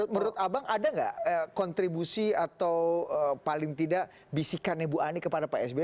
menurut abang ada nggak kontribusi atau paling tidak bisikannya bu ani kepada pak sby